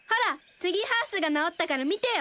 ツリーハウスがなおったからみてよ！